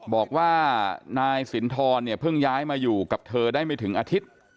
บอกว่านายสินทรเนี่ยเพิ่งย้ายมาอยู่กับเธอได้ไม่ถึงอาทิตย์